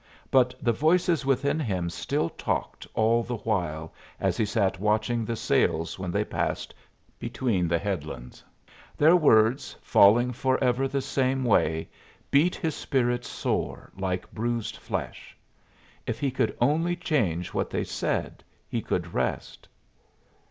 But the voices within him still talked all the while as he sat watching the sails when they passed between the headlands. Their words, falling forever the same way, beat his spirit sore, like bruised flesh. If he could only change what they said, he could rest.